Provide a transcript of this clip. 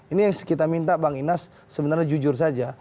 ini yang kita minta bang inas sebenarnya jujur saja